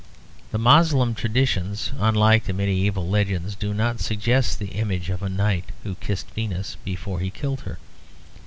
The Moslem traditions, unlike the medieval legends, do not suggest the image of a knight who kissed Venus before he killed her.